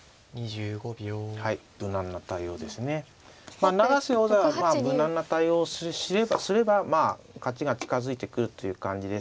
まあ永瀬王座は無難な対応をすればまあ勝ちが近づいてくるという感じです。